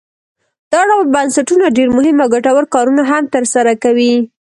دا ډول بنسټونه ډیر مهم او ګټور کارونه هم تر سره کوي.